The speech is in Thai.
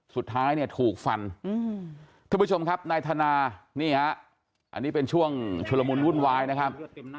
สุดท้ายเนี่ยถูกฟันทุกผู้ชมครับนายธนานี่ฮะอันนี้เป็นช่วงชุลมุนวุ่นวายนะครับ